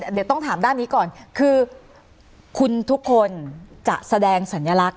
เดี๋ยวต้องถามด้านนี้ก่อนคือคุณทุกคนจะแสดงสัญลักษณ